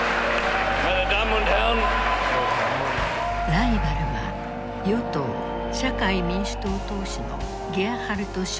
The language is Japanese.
ライバルは与党社会民主党党首のゲアハルト・シュレーダー。